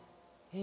え！